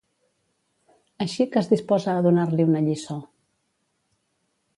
Així que es disposa a donar-li una lliçó.